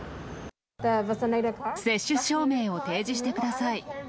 接種証明を提示してください。